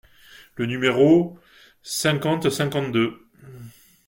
Le numéro cinquante-cinquante-deux.